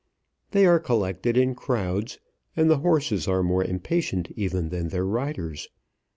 They are collected in crowds, and the horses are more impatient even than their riders.